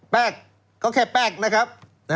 แป้งก็แค่แป้งนะครับ